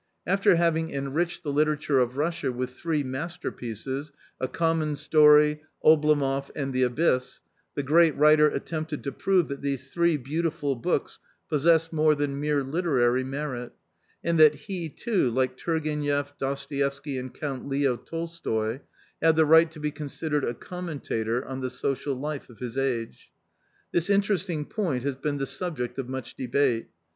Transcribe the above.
After having PREFACE ix enriched the literature of Russia with three masterpieces, A Common Story, Oblomoff, and The Abyss, the great writer attempted to prove that these three beautiful books possessed more than mere literary merit, and that he too, like Tour genieff, Dostoieffsky and Count Leo Tolstoi, had the right to be considered a commentator on the social life of his age. This interesting point has been the subject of much debate.